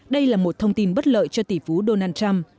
đây là một thông tin bất lợi cho tỷ phú donald trump